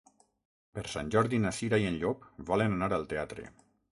Per Sant Jordi na Cira i en Llop volen anar al teatre.